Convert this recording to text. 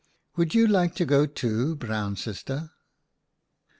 Would you like to go too, Brown Sister?"